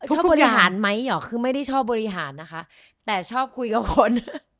ชอบบริหารไหมเหรอคือไม่ได้ชอบบริหารนะคะแต่ชอบคุยกับคน